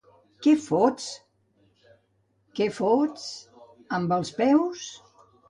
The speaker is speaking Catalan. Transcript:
Què fots? —Què fots... amb els peus?